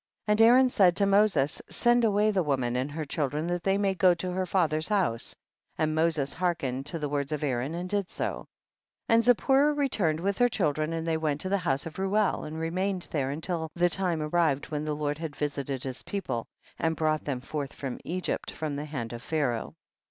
17. And Aaron said to Moses, send away the woman and her chil dren that they may go to her father's house, and Moses hearkened to the words of Aaron, and did so. 18. And Zipporah returned ^vith her children, and they went to the house of Reuel, and remained there until the time arrived wiien the Lord had visited his people, and brought them forth from Egypt from the hand of Pharaoh.